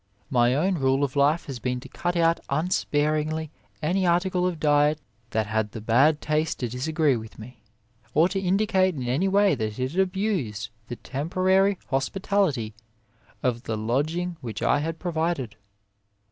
My own rule of life has been to cut out unsparingly any article of diet that had the bad taste to disagree with me, or to indicate in any way that it had abused the temporary hospitality of the lodging which I had provided.